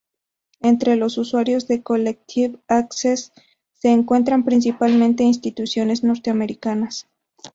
Entre los usuarios de Collective Access se encuentran principalmente instituciones norteamericanas.